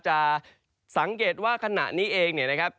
จะสังเกตว่าขณะนี้เองเนี่ยนะครับ